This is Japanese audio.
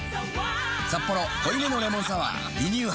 「サッポロ濃いめのレモンサワー」リニューアル